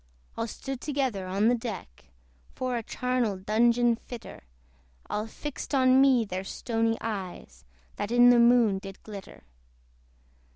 All stood together on the deck, For a charnel dungeon fitter: All fixed on me their stony eyes, That in the Moon did glitter.